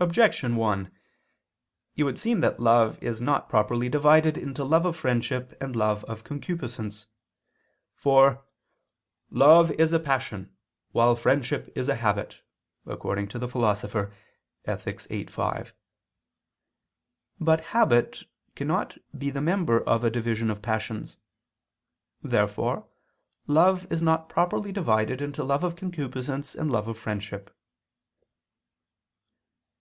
Objection 1: It would seem that love is not properly divided into love of friendship and love of concupiscence. For "love is a passion, while friendship is a habit," according to the Philosopher (Ethic. viii, 5). But habit cannot be the member of a division of passions. Therefore love is not properly divided into love of concupiscence and love of friendship.